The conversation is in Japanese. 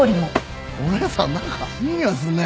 お姉さん何かいい匂いすんね